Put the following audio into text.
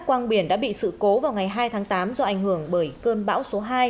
quang biển đã bị sự cố vào ngày hai tháng tám do ảnh hưởng bởi cơn bão số hai